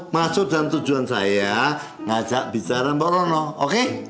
maksud dan tujuan saya ngajak bicara mbak rono oke